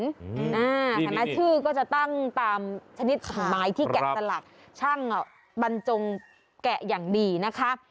เห็นไหมชื่อก็จะตั้งตามชนิดของไม้ที่แกะสลักช่างบรรจงแกะอย่างดีนะคะ